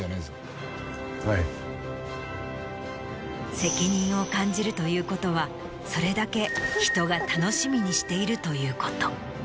責任を感じるということはそれだけ人が楽しみにしているということ。